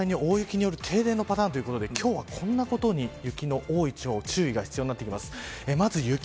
実際に大雪による停電のパターンということで今日は、こんなことに雪の多い地方は注意が必要です。